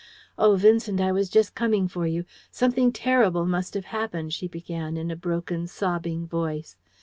"Oh, Vincent, I was just coming for you something terrible must have happened!" she began, in a broken, sobbing voice.